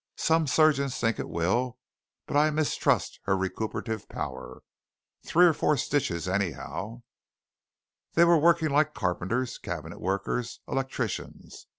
Some surgeons think it will, but I mistrust her recuperative power. Three or four stitches, anyhow." They were working like carpenters, cabinet workers, electricians.